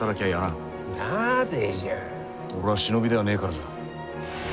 俺は忍びではねえからじゃ。